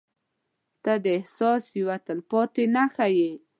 • ته د احساس یوه تلپاتې نښه یې.